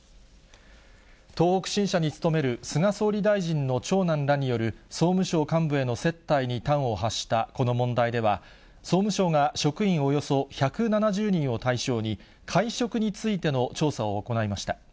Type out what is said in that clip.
東北新社に勤める菅総理大臣の長男らによる総務省幹部への接待に端を発したこの問題では、総務省が職員およそ１７０人を対象に、会食についての調査を行いました。